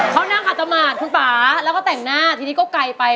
เขานั่งอัตมาคุณป่าแล้วก็แต่งหน้าทีนี้ก็ไกลไป